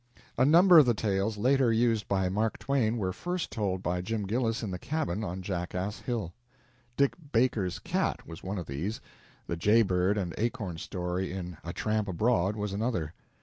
A number of the tales later used by Mark Twain were first told by Jim Gillis in the cabin on Jackass Hill. "Dick Baker's Cat" was one of these, the jay bird and acorn story in "A Tramp Abroad" was another.